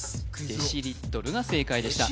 デシリットルが正解でした